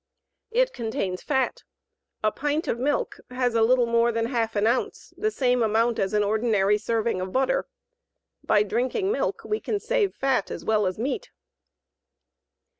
It contains fat. A pint of milk has a little more than half an ounce the same amount as an ordinary serving of butter. By drinking milk we can save fat as well as meat.